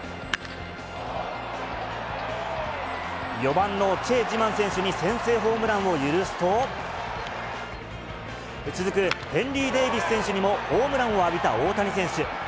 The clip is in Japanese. ４番のチェ・ジマン選手に先制ホームランを許すと、続くヘンリー・デービス選手にもホームランを浴びた大谷選手。